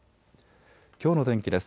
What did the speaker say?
きょうの天気です。